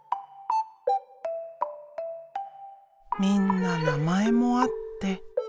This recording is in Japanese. みんな名前もあって。